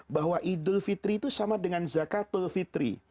bahwa idul fitri itu sama dengan zakatul fitri